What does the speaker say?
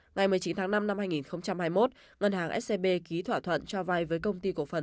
ngày một mươi chín tháng năm năm hai nghìn hai mươi một ngân hàng scb ký thỏa thuận cho vay với công ty cổ phần